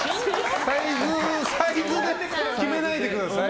サイズで決めないでください。